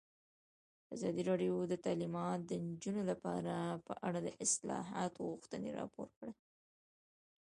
ازادي راډیو د تعلیمات د نجونو لپاره په اړه د اصلاحاتو غوښتنې راپور کړې.